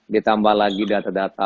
ditambah lagi data data